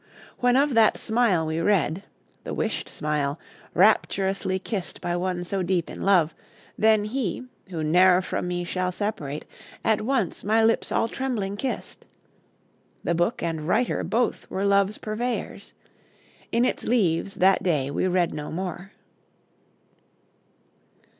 When of that smile we read, The wished smile, rapturously kissed By one so deep in love, then he, who ne'er From me shall separate, at once my lips All trembling kissed. The book and writer both Were love's purveyors. In its leaves that day We read no more."